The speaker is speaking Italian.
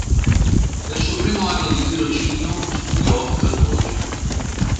Nel suo primo anno di tirocinio studiò oftalmologia.